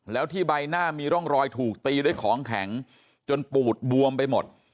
แล้วที่ใบหน้ามีร่องรอยถูกตีด้วยของแข็งจนปูดบวมไปหมด